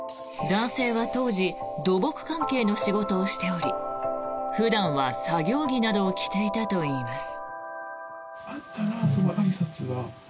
男性は当時土木関係の仕事をしており普段は作業着などを着ていたといいます。